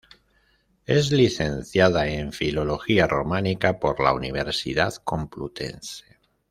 Es Licenciada en Filología Románica por la Universidad Complutense.